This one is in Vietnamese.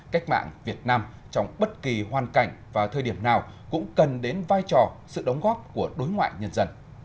cách mạng việt nam trong bất kỳ hoàn cảnh và thời điểm nào cũng cần đến vai trò sự đóng góp của đối ngoại nhân dân